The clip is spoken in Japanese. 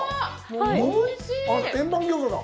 おいしい！